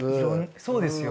そうですよ。